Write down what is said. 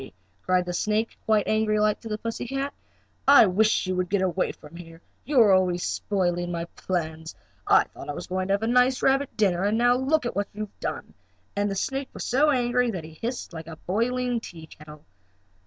cried the snake, quite angry like, to the pussy cat, "I wish you would get away from here! You are always spoiling my plans. I thought I was going to have a nice rabbit dinner, and now look at what you have done," and that snake was so angry that he hissed like a boiling teakettle.